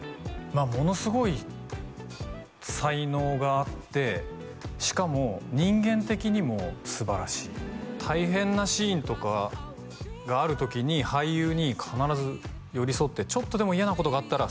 ものすごい才能があってしかも人間的にもすばらしい大変なシーンとかがある時に俳優に必ず寄り添って「ちょっとでも嫌なことがあったら」